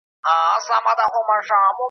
نن به ښه کیسه توده وي د پردي قاتل په کور کي .